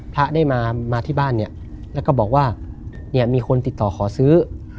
พระได้มาที่บ้านเนี่ยแล้วก็บอกว่าเนี่ยมีคนติดต่อขอซื้อ